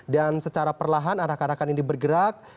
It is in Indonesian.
dan secara perlahan arah arahkan ini bergerak